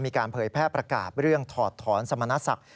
เผยแพร่ประกาศเรื่องถอดถอนสมณศักดิ์